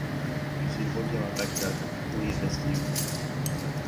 Puis il revient à Bagdad pour y rester huit ans.